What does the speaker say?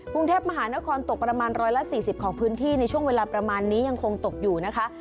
กรุงเทพมหานครตกประมาณ๑๔๐ของพื้นที่ในช่วงเวลาประมาณนี้ยังคงตกอยู่นะคะ